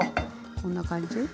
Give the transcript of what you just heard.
こんな感じ。